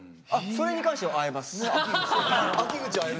それに関しては会えます。